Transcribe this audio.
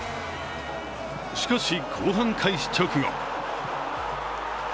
しかし、後半開始直後